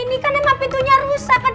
ini kan emang pintunya rusak